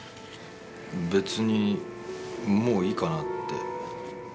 別にもういいかなって。